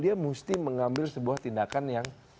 dia mesti mengambil sebuah tindakan yang